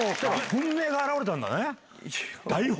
本命が現れたんだね。